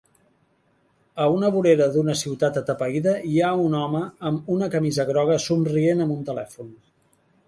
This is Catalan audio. A una vorera d"una ciutat atapeïda hi ha un home amb una camisa groga somrient amb un telèfon.